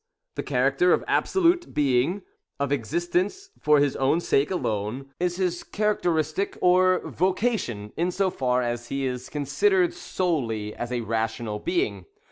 This character of absolute being — of existence for his own sake alone, — is his charac teristic or vocation, in so far as he is considered solely as a rational being.